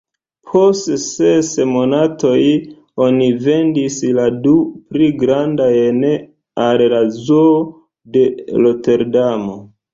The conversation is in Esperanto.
Post ses monatoj, oni vendis la du pli grandajn al la Zoo de Roterdamo.